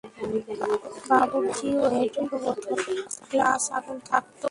বাবুর্চি, ওয়েটার, বোতল, গ্লাস, আগুন থাকত।